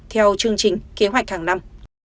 theo chương trình kế hoạch hàng năm